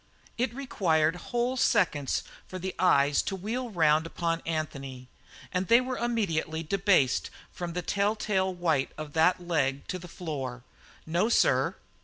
It required whole seconds for the eyes to wheel round upon Anthony, and they were immediately debased from the telltale white of that leg to the floor. "No, sir."